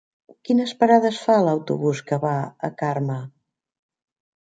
Quines parades fa l'autobús que va a Carme?